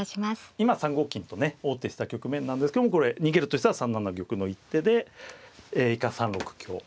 今３五金とね王手した局面なんですけどもこれ逃げるとしたら３七玉の一手で一回３六香。